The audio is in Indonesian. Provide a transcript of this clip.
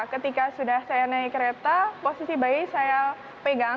ketika sudah saya naik kereta posisi bayi saya pegang